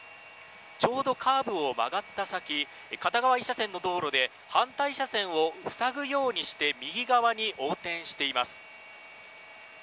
ちょうどカーブを曲がった先片側１車線の道路で反対車線を塞ぐようにして右側に横転しています。